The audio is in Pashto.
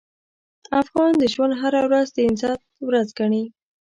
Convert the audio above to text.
افغان د ژوند هره ورځ د عزت ورځ ګڼي.